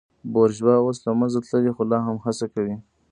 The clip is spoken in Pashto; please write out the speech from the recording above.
بورژوا اوس له منځه تللې خو لا هم هڅه کوي.